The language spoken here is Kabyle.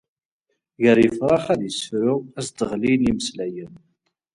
Gar yifrax ad yessefru, ad s-d-ɣlin imeslayen.